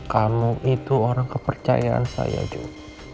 kamu itu orang kepercayaan saya juga